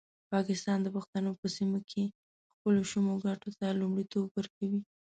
پاکستان د پښتنو په سیمه کې خپلو شومو ګټو ته لومړیتوب ورکوي.